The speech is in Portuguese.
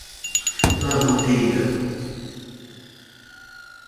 Lavandeira